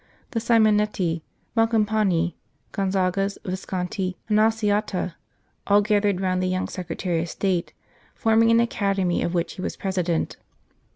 The Simonetti, Boncampagni, Gonzagas, Visconti, and Alciati, all gathered round the young Secretary of State, forming an academy of which he was President.